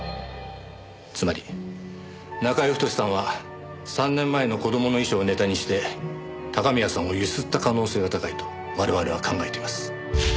つまり中居太さんは３年前の子供の遺書をネタにして高宮さんを強請った可能性が高いと我々は考えています。